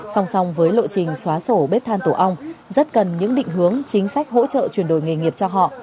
song song với lộ trình xóa sổ bếp than tổ ong rất cần những định hướng chính sách hỗ trợ chuyển đổi nghề nghiệp cho họ